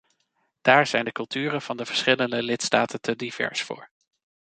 Daar zijn de culturen van de verschillende lidstaten te divers voor.